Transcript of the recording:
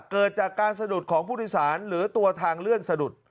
เกิดจากการสะดุดของผู้โดยสารหรือตัวทางเลื่อนสะดุด